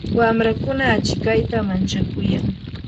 wamrakuna achikayta manchakuyan.